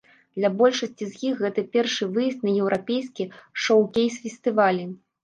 Для большасці з іх гэты першы выезд на еўрапейскія шоўкейс-фестывалі.